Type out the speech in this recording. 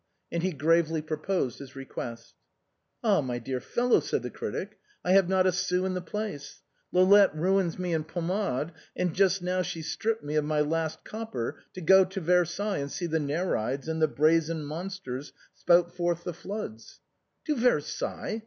And he gravely proposed his request. "Ah ! my dear fellow," said the critic, " I have not a sou in the place, Lolotte ruins me in pommade, and just now she stripped me of my last copper to go to Versailles and see the Nereids and the brazen monsters spout forth floods." " To Versailles.